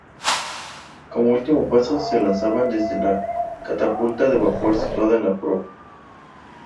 Como último paso, se lanzaban desde la catapulta de vapor situada en la proa.